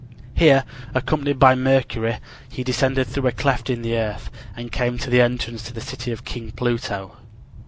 Here, accompanied by Mercury, he descended through a cleft in the earth, and came to the entrance of the city of King Pluto.